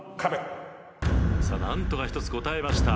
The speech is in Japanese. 何とか１つ答えました。